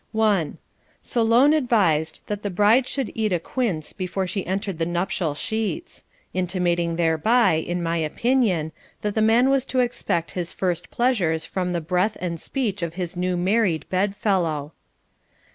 1. Solon advised that the bride should eat a quince be fore she entered the nuptial sheets ; intimating thereby, in my opinion, that the man was to expect his first pleasures from the breath and speech of his new married bed fellow.